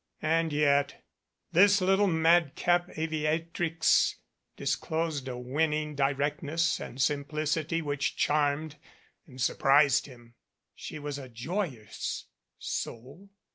And yet this little madcap aviatrix disclosed a win ning directness and simplicity which charmed and sur prised him. She was a joyous soul.